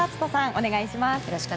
お願いします。